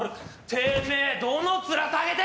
てめえどの面下げて！